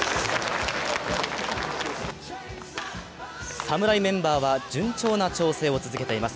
侍メンバーは順調な調整を続けています。